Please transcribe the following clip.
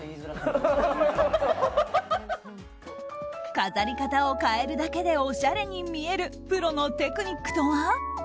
飾り方を変えるだけでおしゃれに見えるプロのテクニックとは？